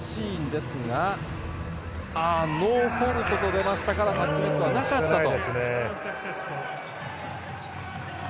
ノーフォールトと出ましたのでタッチネットはなかったと。